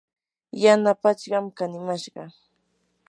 yana pachkam kanimashqa.